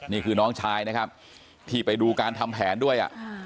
นี่คือน้องชายนะครับที่ไปดูการทำแผนด้วย